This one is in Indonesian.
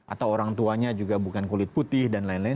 atau orang tuanya juga bukan kulit putih dan lain lain